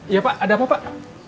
iya pak ada apa pak